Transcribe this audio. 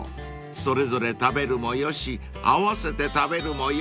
［それぞれ食べるも良し合わせて食べるも良し］